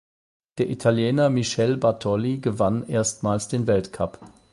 Der Italiener Michele Bartoli gewann erstmals den Weltcup.